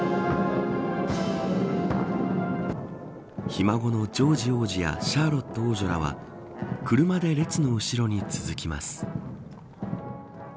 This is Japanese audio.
ひ孫のジョージ王子やシャーロット王女らは車で列の後ろに続きます。